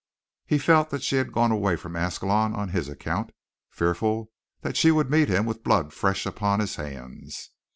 He felt that she had gone away from Ascalon on his account, fearful that she would meet him with blood fresh upon his hands.